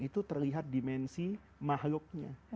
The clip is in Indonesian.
itu terlihat dimensi mahluknya